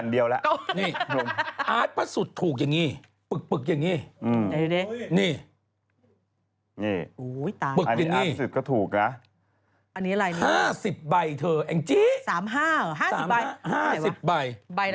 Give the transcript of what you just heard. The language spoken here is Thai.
นี่ไงได้สำหรับ๒๐๕๐ใบ